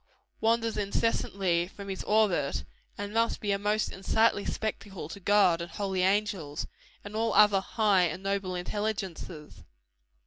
wanders incessantly from his orbit, and must be a most unsightly spectacle to God and holy angels, and all other high and noble intelligences.